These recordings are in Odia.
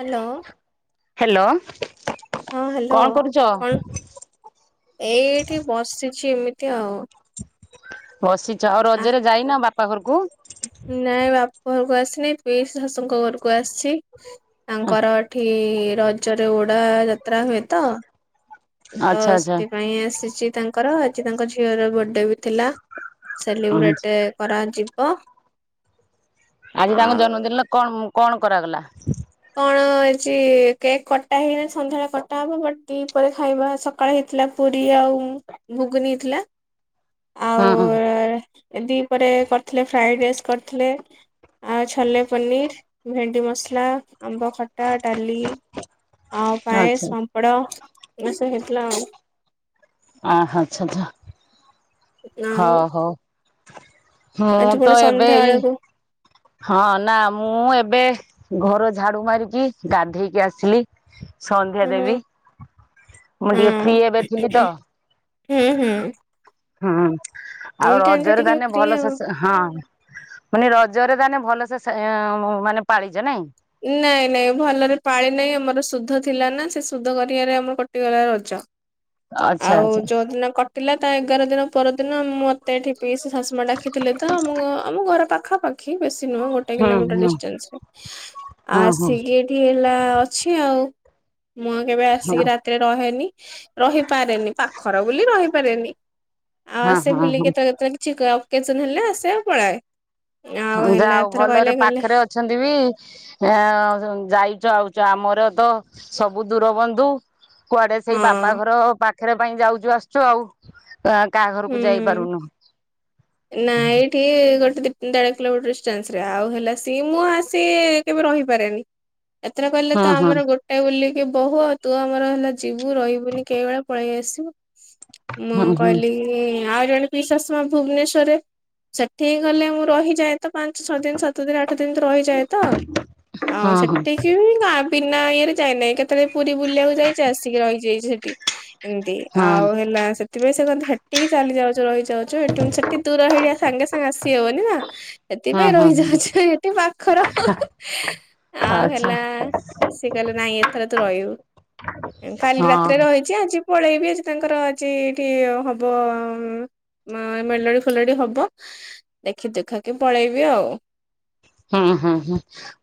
Hello hello. ହଁ ହାଲୋ କଣ କରୁଛ? କଣ? ଏଇଠି ବସିଛି ଏମିତି ଆଉ। ବସିଛ ଆଉ ଆ ରଜରେ ଯାଇନ ବାପା ଘରୁକୁ? ନାଇଁ ବାପ ଘରକୁ ଆସିନି ପିଇସି ଶାଶୁଙ୍କ ଘରକୁ ଆସିଛି ତାଙ୍କର ଏଠି ରଜରେ ଉଡା ଯାତ୍ରା ହୁଏ ତ। ତ ଆଚ୍ଛା ଆଚ୍ଛା। ସେଥିପାଇଁ ଆସିଚି ତାଙ୍କର ଆଜି ତାଙ୍କ ଝିଅର ବଡେ ବି ଥିଲା। ସେଲିବ୍ରେଟ୍ କରାଯିବ। ଆଜି ତାଙ୍କ ଆଉ ଜନ୍ମଦିନରେ କଣ କଣ କରାଗଲା? ଆଜି କେକ୍ କଟା ହେଇନି ସନ୍ଧ୍ୟାଳେ କଟା ହବ ବଟ୍ ଦି ପହରେ ଖାଇବା ସକାଳେ ହେଇ ଥିଲା ପୁରୀ ଆଉ ଘୁଗୁନି ଥିଲା ଆଉ ହଁ। ଦି ପରେ କରିଥିଲେ ଫ୍ରାଏଡ଼ ରାଇସ୍ କରିଥିଲେ ଆଉ ଛୋଲେ ପନିର। ଭେଣ୍ଡି ମସଲା, ଆମ୍ବ ଖଟା, ଡାଲି ଆଉ ଆଚ୍ଛା ପାମ୍ପ ଡ ଏଇନା ସବୁ ହେଇଥିଲା ଆଉ। ଆହା ଆଚ୍ଛ ଆଚ୍ଛା। ହ ଆଉ ହଉ ମୁଁ ଆଜି ପୁଣି ତ ଏବେ ସନ୍ଧ୍ୟା ଇଏ ବେଳକୁ ହଁ ନାଁ ମୁଁ ଏବେ ଘର ଝାଡ଼ୁ ମାରିକି ଗାଧେଇକି ଆସିଲି। ସନ୍ଧ୍ୟା ହୁଁ ଦେବୀ ହୁଁ ମୁଁ ଟିକେ ଫ୍ରି ଏବେ ଥିଲି ତ ହୁଁ ହୁଁ। ହୁଁ ଏଇ ଆଉ ଟାଇମ ଟା ରଜରେ ଟିକେ ତାନେ ଫ୍ରି ଭଲ ଆଉ ଶେଷ ହଁ ମାନେ ରଜରେ ତାନେ ଭଲସେ ସେଁ ମାନେ ପାଳିଚ ନାଇଁ? ନାଇଁ ନାଇଁ ଭଲରେ ପାଳି ନାଇଁ ଆମର ସୁଧ ଥିଲା ନାଁ ସେ ସୁଧଘରିଆରେ ଆମର କଟିଗଲା ରଜ। ଆଚ୍ଛା ଆଉ ଆଚ୍ଛା। ଯୋଉ ଦିନ କଟିଲା ତା ଏଗାର ଦିନ ପର ଦିନ ମ ତେ ଏଠି ପିଇସୀ ଶାଶୁ ମା ଡାକିଥିଲେ ତ ମୁ ଆମ ଘର ପାଖାପାଖି ବେଶୀ ନୁହଁ ଗୋ ଟେ ହୁଁ କିଲୋମିଟର୍ ହୁଁ ଡିଷ୍ଟାନ୍ସରେ ହଁ ହଁ ଆସିକି ଏଠି ହେଲା ଅଛି ଆଉ। ମୁଁ ଆଉ କେବେ ଆସିକି ହଁ ରାତିରେ ରହେନି ରହିପାରେନି ପାଖର ବୋଲି ରହିପାରେନି। ଆଉ ଆସେ ହଁ ହଁ ବୁଲି କେତୋଳେ ତଳେ କିଛି କ ଅକେଛନ୍ ହେଲେ ଆସେ ଆଉ ପଳାଏ। ଆଉ ହେଲା ଏଥର କଇଲେ କଲେ ଛନ୍ତି ବି ଅଁ ଯାଇଚ ଆଉଚ ଆମର ତ ସବୁ ଦୂର ବନ୍ଧୁ। କୁଆଡ଼େ ସେଇ ହଁ ବାପା ଘର ପାଖରେ ପାଇଁ ଯାଉଚୁ ଆସୁଚୁ ଆଉ। ତ ଆ କାହା ଘରକୁ ହୁଁ। ଯାଇପାରୁନୁ। ଟିଏ ଗୋଟେ ଦି ଦାର କିଲୋମିଟର ଡିଷ୍ଟାନ୍ସ୍ ରେ ଆଉ ହେଲା ସିଏ ମୁଁ ଆସି କେବେ ରହିପାରେନି। ଏଥିର କହିଲେ ହୁଁ ତ ହୁଁ ଆମର ଗୋଟେ ବୋଲିକି ବୋହୁ ଆଉ ତୁ ଆମର ହେଲା ଯିବୁ ରହିବୁନି କେବେଳେ ପଳେଇ ଆସିବୁ ମୁଁ ହୁଁ ହୁଁ କହିଲି ଉଁ ଆଉ ଜଣେ ପିଶାଶୁମା ଭୁବନେଶ୍ଵରରେ ସେଠିି ଗଲେ ମୁଁ ରହିଯାଏ। ତ ପାଞ୍ଚ, ଛଅ ଦିନ, ସାତ ଦିନ, ଆଠ ଦିନ ତ ରହିଯାଏ ତ ଆଉ ହଁ ହଁ ସେଟି କେବେ ବି ନାଁ ବିନା ଇଏରେ ଯାଇନାହିଁ କେତଳେ ପୁରୀ ବୁଲିବାକୁ ଯାଇଚ ଆସିକି ରହିଯାଇଚି ସେଟି। ଏମତି ହଁ ଆଉ ହେଲା ସେଥିପାଇଁ ସେ କଅନ୍ତି ହେ ଟିକି ଚାଲି ଯାଉଚୁ ରହିଯାଉଚୁ ଏଟୁଁ ସେଠି ଦୂର ହେଇଯା ସାଙ୍ଗେ ସାଙ୍ଗେ ଆସିହବନି ନାଁ ହଁ ହେତିପାଇଁ ହଁ ହଁ ରହିଯାଉଚୁ ଏଠି ପାଖର ଆଉ ଆଚ୍ଛା ହେଲା ସେ କହିଲେ ନାଇଁ ଏଥର ତୁ ରହିବୁ। ଉଁ କାଲି ହଁ ରାତିରେ ରହି ଚି ଆଜି ପଳେଇବି ଆଜି ତାଙ୍କର ଆଜି ଏଠି ହବ ମ ଏ ମେଲୋଡ଼ି ଫେଲୋଡି଼ ହବ ଦେଖି ଦୁଖାକି ପଳେଇବି ଆଉ। ହଁ ହଁ ହଁ।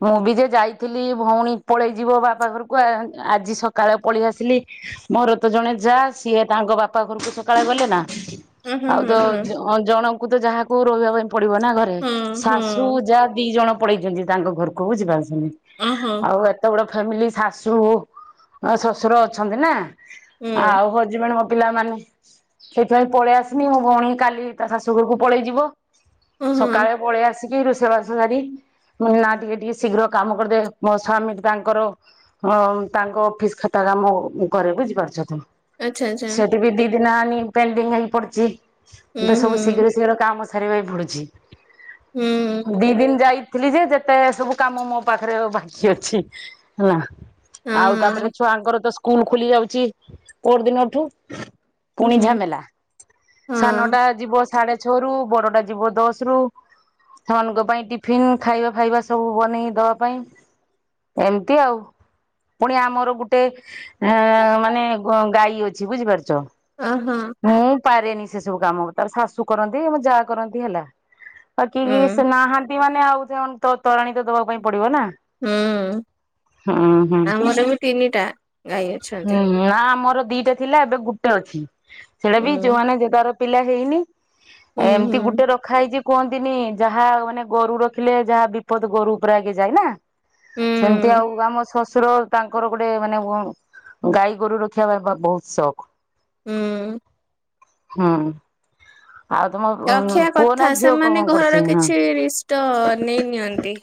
ମୁଁ ବି ଯେ ଯାଇଥିଲି ଭଉଣୀ ପଳେଇ ଯିବ ବାପା ଘରୁକୁ ଆ ଆଜି ସକାଳେ ପଳିଆସିଲି। ମୋର ତ ଜଣେ ଯାଆ ସିଏ ତାଙ୍କ ବାପା ଘରଙକୁ ସକାଳେ ଗଲେ ନା। ହଁ ହଁ ଆଉ ହଁ ତ ହଁ ଜ ଅ ଜଣଙ୍କୁ ତ ଯାହାକୁ ରହିବା ପାଇଁ ପଡ଼ିବ ନାଁ ଘରେ ହଁ ଶାଶୁ ହଁ। ଯା ଦି ଜଣ ପଳେଇଚନ୍ତି ତାଙ୍କ ଘର୍ କୁ ବୁଝିପାରୁଛନ୍ତି ଅ ହଁ। ଆଉ ଏ ତେ ବଡ଼ ଫ୍ୟାମିଲି ଶାଶୁ ଅଁ ଶଶୁର ଅଛନ୍ତି ନାଁ। ଆଉ ହଜମେଣ ମୋ ପିଲାମାନେ ସେଇଥିପାଇଁ ପଳେଇ ଆସିଲି ମୋ ଭଉଣୀ କାଲି ତା ଶାଶୁ ଘରୁକୁ ପଳେଇ ଯିବ। ସକାଳେ ପଳେଇ ଆସିକି ରୋଷେଇ ବା ସ ସାରି ମୁଁ ଅଇନି ନାଁ ଟିକେ ଟିକେ ଶୀଘ୍ର କାମ କରିଦେ ମୋ ସ୍ୱାମୀକି ତାଙ୍କର ହଁ ତାଙ୍କ ଅଫିସ୍ ଖାତା କାମ ମୁଁ କରେ ବୁଝିପାରୁଛ ତ? ସେଠି ବି ଦି ଦିନ ଆଣି ପେଣ୍ଡିଙ୍ଗ୍ ହେଇ ପଡ଼ିଚି ଦ ସବୁ ଶୀଘ୍ର ଶିଘ୍ର କାମ ସାରିବା ପାଇଁ ପଡୁଚି। ହୁଁ। ଦି ଦିନ ଯାଇଥିଲି ଯେ ଯେତେ ସବୁ କାମ ମୋ ପାଖରେ ବାକି ଅଛି ହେଲା। ଆଉ ତାପରେ ଛୁଆଙ୍କର ତ ସ୍କୁଲ୍ ଖୋଲି ଯାଉଚି ପୋର୍ ଦିନଠୁ। ପୁଣି ଝାମେଲା, ସାନଟା ଯିବ ସାଢ଼େ ଛଅରୁ ବଡ଼ଟା ଯିବ ଦଶରୁ। ସେମାନଙ୍କ ପାଇଁ ଟିଫିନ୍ ଖାଇବା ଫାଇବା ସବୁ ବନେଇ ଦବା ପାଇଁ, ଏମତି ଆଉ। ପୁଣି ଆମର ଗୁଟେ ଏଁ ମାନେ ଗ ଗାଈ ଅଛି ବୁଝିପାରୁଛ? ଅ ହଁ। ମୁଁ ପାରେନି ସେ ସବୁ କାମ ତାର ଶାଶୁ କରନ୍ତି ଆମ ଯାଆ କରନ୍ତି ହେଲା ତ କିଏ କିଏ ସ୍ ନାହାନ୍ତି ମାନେ ଆଉ ଜନ ତ-ତୋରାଣି ତ ଦବା ପାଇଁ ପଡିବ ନା। ହୁଁ ହୁଁ ହୁଁ ଆମର ବି ତିନିଟା ଗାଈ ଅଛନ୍ତି। ହୁଁ ନା ଆମର ଦିଟା ଥିଲା ଏବେ ଗୁଟେ ଅଛି ସେଟା ବି ଯୋଉ ମାନେ ଯେ ତାର ପିଲା ହେଇନି। ଏମିତି ଗୁଟେ ରଖା ହେଇଛି କୁହନ୍ତିନି। ଯାହା ମାନେ ଗୋରୁ ରଖିଲେ ଯାହା ବିପଦ ଗୋରୁ ଉପରେ ଆଗେ ଯାଏ ନା। ସେମିତି ଆଉ ଆମ ଶଶୁର। ତାଙ୍କର ଗୋଟେ ମାନେ ଙ ଗାଈ ଗୋରୁ ରଖିବା ବା ବ-ବହୁତ ସୌକ। ହୁଁ। ହୁଁ ଆଉ ତମ ଉଁ ପୁଅ ନା ଝିଅ କଣ କର ତାର କିଛି ରିଷ୍ଟ ନେଇ ନିିଅନ୍ତି।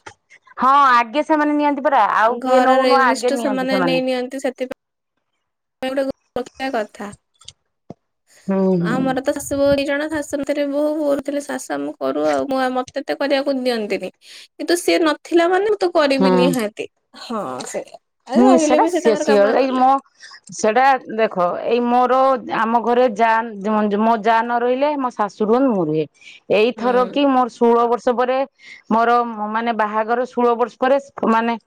ହଁ ଆଗେ ସେମାନେ ନିଅନ୍ତି ପରା ଆଉ କିଏ ନଉ ନୁଅ ଆଗେ ନିଅନ୍ତି ସେମାନେ। ନିଅନ୍ତି ସେଥିପା ପାଇଁ ଗୋଟେ ଗୋ ରଖିବା କଥା ହୁଁ ହୁଁ। ଆମର ତ। ଶାଶୁ ବୋହୂ ଦି ଜଣ ଶାଶୁ ନଥିଲେ ବୋହୂ ବୋହୂ ନଥିଲେ ଶାଶୁ ଆମ କରୁ ଆଉ ମୁଁ ଆ ମତେ ତ କରିବାକୁ ଦିଅନ୍ତିନି। କିନ୍ତୁ ସିଏ ନଥିଲା ମାନେ ମୁଁ ତ କରିବି ହୁଁ ନିହାତି ହଁ ସେୟା। ହୁଁ ସେଟା ସିଅ ସିଅ ଏଇ ମୋ। ସେଟା ଦେଖ ଏଇ ମୋର ଆମ ଘରେ ଯା [unintelligible] ମୋ ଯା ନ ରହିଲେ ମ ଶାଶୁ ରୁହନ୍ତି ମୁଁ ରୁହେ ହୁଁ ଏଇଥର କି ମୋର ଷୋଳ ବର୍ଷ ପରେ। ମୋର ମ-ମାନେ ବାହାଘର ଷୋଳ ବର୍ଷ ପରେ ମାନେ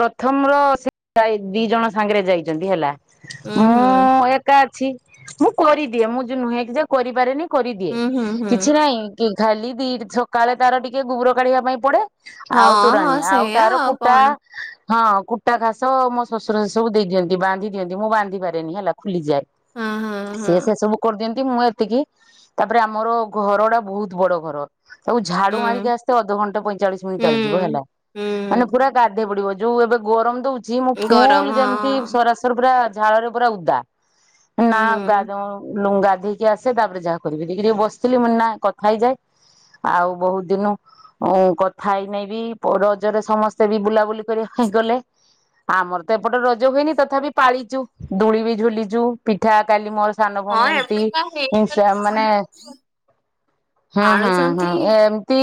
ପ୍ରଥମ ର ସେ [unintelligible] ଦି ଜଣ ସାଙ୍ଗରେ ଯାଇଛନ୍ତି ହେଲା ହୁଁ ହୁଁ ମୁଁ ଏ ଏକା ଅଛି ମୁଁ କରିଦିଏ ମୁଁ ଯୋଉ ନୁହେଁ କି ଯେ କରିପାରେନି କରିଦିଏ ହୁଁ ହୁଁ ହୁଁ। କିଛି ନାଇ। କି ଖାଲି ଦିର ସକାଳେ ତାର ଟିକେ ଗୁବୁରୋ କାଢିବା ପାଇଁ ପଡେ। ଆଉ ହଁ ତୋରାଣୀ ହଁ ଆଉ ସେଇଆ ତାର କୁଟା। କଣ ହଁ କୁଟା ଘାସ ମୋ ଶଶୁର ସବୁ ଦେଇଦିଅନ୍ତି ବାନ୍ଧି ଦିଅନ୍ତି ମୁଁ ବାନ୍ଧି ପାରେନି ହେଲା ଖୁଲିଯାଏ। ହଁ ହଁ ହଁ ସିଏ ସେ ସବୁ। କରିଦିଅନ୍ତି ମୁଁ ଏତିକି ତାପରେ ଆମର ଘର ଟା ବହୁତ ବଡ ଘର। ତାକୁ ଝାଡୁ ହୁଁ ମାରିକି ଆସିତେ ଅଧଘଣ୍ଟା ପଇଁଚାଳିଶ ମିନିଟ ଚାଲିଯିବ ହେଲା ହୁଁ। ମାନେ ହୁଁ ପୁରା। ଗାଧେଇ ପଡିବ ଯୋଉ ଏବେ ଗରମ ଦଉଛି ମୁଁ ଗରମ ଫୁଲ ଯେମିତି ହଁ ସରାସ ଥରେ ପୁରା ଝାଳରେ ପୁରା ଉଦା ନା ହୁଁ ଗାଧୋଉଁ ଲୁଁ ଗାଧେ କି ଆସେ ତାପରେ ଯାହା କରିବି ଟିକେ ଟିକେ ବସିଥିଲି ମୁଁ କହିଲି ନାଇ କଥା ହେଇଯାଏ ଆଉ ବହୁତ ଦିନୁ। ଉଁ କଥା ହେଇନାଇଁ ବି ପ ରଜରେ ସମସ୍ତେ ବି ବୁଲାବୁଲି କରିବା ପାଇଁ ଗଲେ। ଆମର ତ ଏପଟେ ରଜ ହୁଏନି ତଥାପି ପାଳିଛୁ ଦୋଳି ବି ଝୁଲିଛୁ ପିଠା କାଲି ମ ସାନ ହଁ ଭଉଣୀ ଏମିତି ଏବେ ବା ଇଁ ହେଇଗଲା ସ ମାନେ। ସବୁ ହୁଁ ହୁଁ ହୁଁ ପାଳୁଛନ୍ତି ଏମିତି।